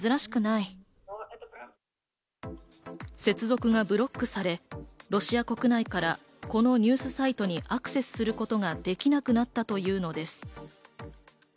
接続がブロックされ、ロシア国内からこのニュースサイトにアクセスすることができなくなったというのです。